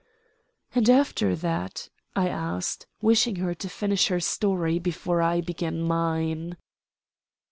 "And after that?" I asked, wishing her to finish her story before I began mine.